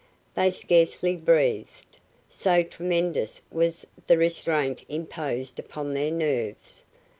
They scarcely breathed, so tremendous was the restraint imposed upon their nerves.